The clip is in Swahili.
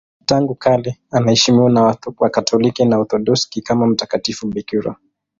Tangu kale anaheshimiwa na Wakatoliki na Waorthodoksi kama mtakatifu bikira.